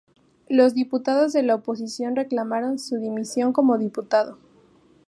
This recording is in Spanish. Los diputados de la oposición reclamaron su dimisión como diputado.